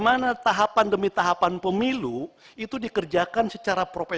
ada kampusi pendidikan tapi